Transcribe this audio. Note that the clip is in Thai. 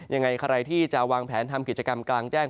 ยังไงใครที่จะวางแผนทำกิจกรรมกลางแจ้ง